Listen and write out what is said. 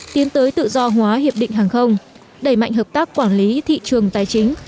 tiến tới tự do hóa hiệp định hàng không đẩy mạnh hợp tác quản lý thị trường tài chính